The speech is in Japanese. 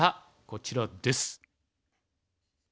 こちらです。